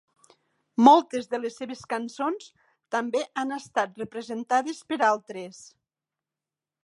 Moltes de les seves cançons també han estat representades per altres.